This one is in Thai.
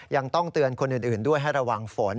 ยังต้องเตือนคนอื่นด้วยให้ระวังฝน